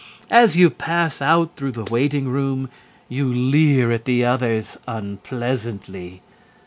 As you pass out through the waiting room, you leer at the others unpleasantly.